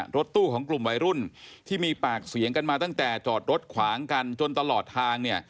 รถตู้ของกลุ่มวัยรุ่นที่มีปากเสียงกันมาตั้งแต่จอดรถขวางกันจนตลอดทาง